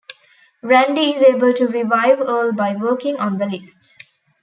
Randy is able to revive Earl by working on the list.